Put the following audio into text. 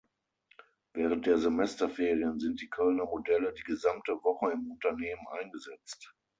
Während der Semesterferien sind die Kölner Modelle die gesamte Woche im Unternehmen eingesetzt.